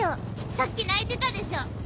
さっき泣いてたでしょ？